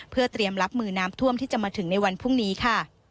เพื่อเตรียมรับมือน้ำท่วมที่จะมาถึงในวันพรุ่งนี้ค่ะ